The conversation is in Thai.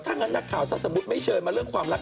ถ้างั้นนักข่าวถ้าสมมุติไม่เชิญมาเรื่องความรัก